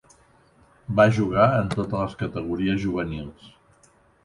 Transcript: Va jugar en totes les categories juvenils.